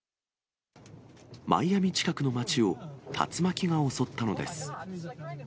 マイアミ近くの街を竜巻が襲ったのです。